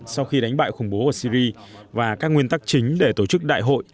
sau khi đánh bại khủng bố ở syri và các nguyên tắc chính để tổ chức đại hội